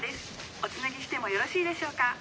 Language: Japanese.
おつなぎしてもよろしいでしょうか？